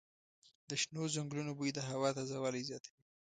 د شنو ځنګلونو بوی د هوا تازه والی زیاتوي.